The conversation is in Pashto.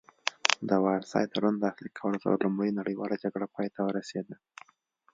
د وارسای تړون لاسلیک کولو سره لومړۍ نړیواله جګړه پای ته ورسیده